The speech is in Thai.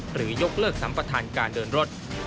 หรือยกเลิกสัมประทานการเดินรถ